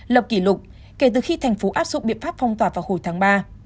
lập kỷ lục kể từ khi thành phố áp dụng biện pháp phong tỏa vào hồi tháng ba